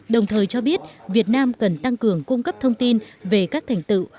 đồng thời cho biết việt nam cần tăng cường cung cấp thông tin về các thành tựu